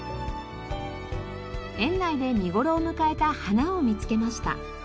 園内で見頃を迎えた花を見つけました。